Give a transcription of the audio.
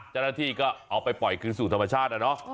เจ้าหน้าที่ก็เอาไปปล่อยคืนสู่ธรรมชาตินะเนาะ